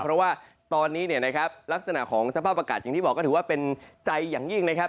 เพราะว่าตอนนี้เนี่ยนะครับลักษณะของสภาพอากาศอย่างที่บอกก็ถือว่าเป็นใจอย่างยิ่งนะครับ